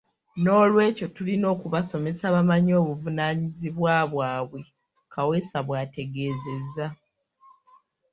Noolwekyo tulina okubasomesa bamanye obuvunaanyizibwa bwabwe.” Kaweesa bw'ategeezezza.